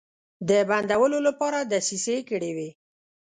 د بندولو لپاره دسیسې کړې وې.